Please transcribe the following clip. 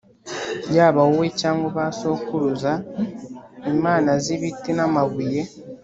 yaba wowe cyangwa ba sokuruza, imana z’ibiti n’amabuye